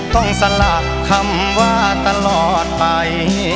ต้องสลับคำว่าตลอดไป